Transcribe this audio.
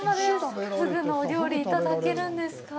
ふぐのお料理、いただけるんですか。